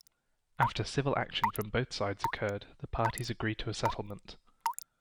After civil action from both sides occurred, the parties agreed to a settlement.